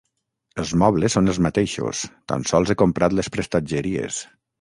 Els mobles són els mateixos, tan sols he comprat les prestatgeries.